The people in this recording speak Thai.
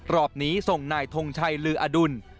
รอบนี้ส่งนายทงชัยลืออดุล